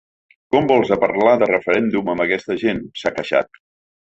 Com vols a parlar de referèndum amb aquesta gent!, s’ha queixat.